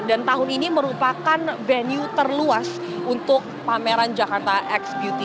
dan tahun ini merupakan venue terluas untuk pameran jakarta x beauty